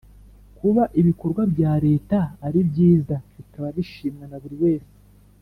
Kuba ibikorwa byareta ari byiza, bikaba bishimwa na buri wese